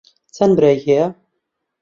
چەند برای هەیە؟